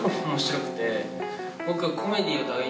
僕。